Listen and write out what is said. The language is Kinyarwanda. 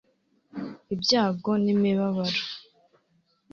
ibyago n imibabaro